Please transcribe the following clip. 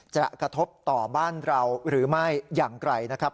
กระทบต่อบ้านเราหรือไม่อย่างไรนะครับ